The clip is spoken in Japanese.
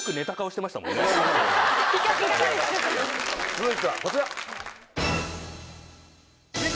続いてはこちら。